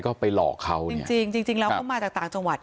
ก็ไปหลอกเขาจริงจริงแล้วเขามาจากต่างจังหวัด